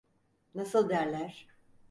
Nasıl derler?